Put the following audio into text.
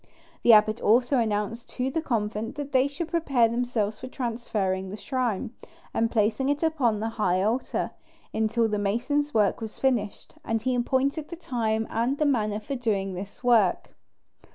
The abbot also announced to the convent that they should prepare themselves for transferring the shrine, and placing it upon the high altar, until the masons' work was finished; and he appointed the time and the manner for doing this work.